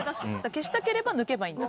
消したければ抜けばいいんだ。